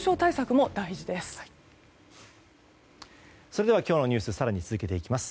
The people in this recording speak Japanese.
それでは今日のニュース更に続けていきます。